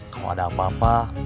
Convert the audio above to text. kalau ada apa apa